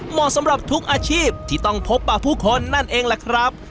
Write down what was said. เหมาะสำหรับทุกอาชีพที่ต้องพบป่าผู้คนนั่นเองแหละครับ